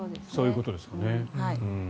そういうことですよね。